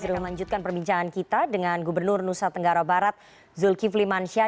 dan kita akan lanjutkan perbincangan kita dengan gubernur nusa tenggara barat zulkifli mansyah